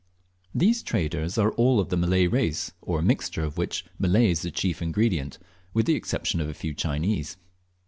These traders are all of the Malay race, or a mixture of which Malay is the chef ingredient, with the exception of a few Chinese.